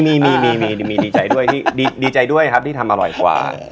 มีดีใจด้วยครับที่ทำอร่อยกว่า